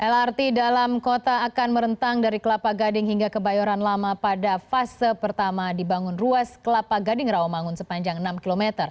lrt dalam kota akan merentang dari kelapa gading hingga kebayoran lama pada fase pertama dibangun ruas kelapa gading rawamangun sepanjang enam km